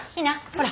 ほら。